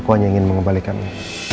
aku hanya ingin mengembalikannya